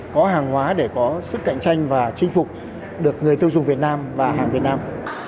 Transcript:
có hàng hóa để có sức cạnh tranh và chinh phục được người tiêu dùng việt nam và hàng việt nam